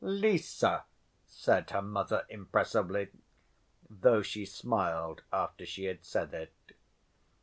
"Lise!" said her mother impressively, though she smiled after she had said it.